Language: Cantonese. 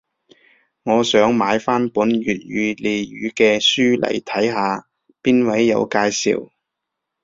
我想買返本粵語俚語嘅書嚟睇下，邊位有介紹